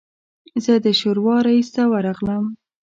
زه د شورا رییس ته ورغلم.